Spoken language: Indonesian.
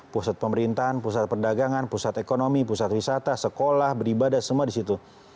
pusat pemerintahan pusat perdagangan pusat ekonomi pusat wisata sekolah beribadah semua di situ